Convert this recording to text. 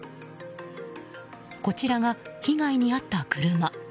こちらが被害に遭った車。